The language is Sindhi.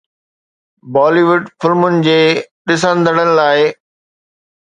بالي ووڊ فلمن جي ڏسندڙن لاء